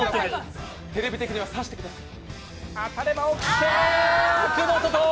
テレビ的には刺してください。